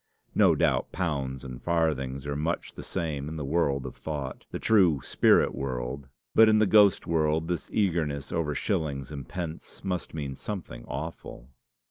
No doubt pounds and farthings are much the same in the world of thought the true spirit world; but in the ghost world this eagerness over shillings and pence must mean something awful!